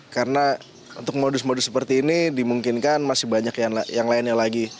karena untuk modus modus seperti ini dimungkinkan masih banyak yang lainnya lagi